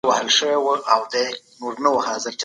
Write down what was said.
علمي څېړنو ثابته کړې ده.